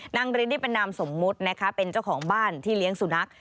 รินนี่เป็นนามสมมุตินะคะเป็นเจ้าของบ้านที่เลี้ยงสุนัข